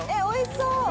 おいしそう！